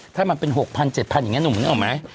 ถ้ามันเป็น๖๐๐๗๐๐อย่างนี้หนุ่มนึกออกไหม